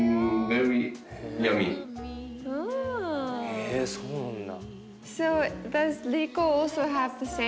へえそうなんだ。